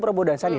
prabowo dan sandi